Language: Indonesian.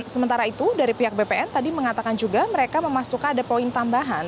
sementara itu dari pihak bpn tadi mengatakan juga mereka memasukkan ada poin tambahan